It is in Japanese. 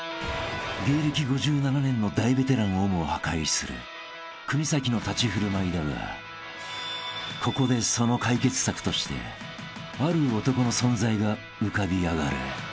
［芸歴５７年の大ベテランをも破壊する国崎の立ち振る舞いだがここでその解決策としてある男の存在が浮かび上がる］